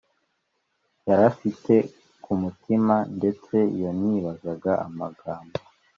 yarafite kumutima ndetse yanibazaga amagambo